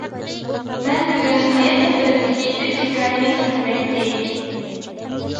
مەن بۈگۈن ھايات سەپىرىمدىكى ئۈچ ھېكايىنى سۆزلىمەكچى.